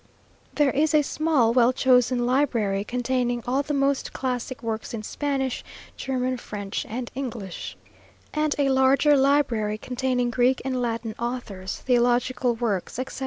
There is a small well chosen library, containing all the most classic works in Spanish, German, French, and English; and a larger library, containing Greek and Latin authors, theological works, etc.